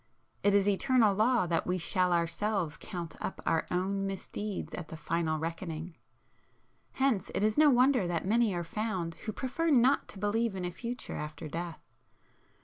It is eternal Law that we shall ourselves count up our own misdeeds at the final reckoning,—hence it is no wonder that many are found who prefer not to believe in a future after death.